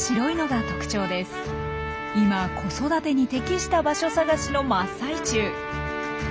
今子育てに適した場所探しの真っ最中。